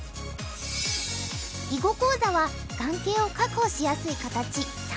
囲碁講座は眼形を確保しやすい形三角形。